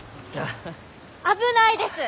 危ないです！